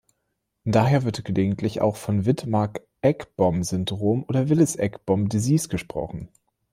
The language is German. Daher wird gelegentlich auch vom Wittmaack-Ekbom-Syndrom oder Willis-Ekbom disease gesprochen.